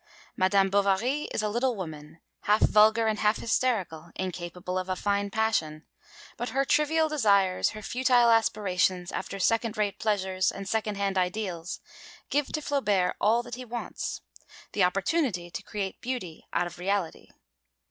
Madame Bovary is a little woman, half vulgar and half hysterical, incapable of a fine passion; but her trivial desires, her futile aspirations after second rate pleasures and second hand ideals, give to Flaubert all that he wants: the opportunity to create beauty out of reality.